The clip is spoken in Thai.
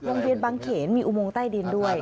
โรงเรียนบางเขนมีอุโมงใต้ดินด้วย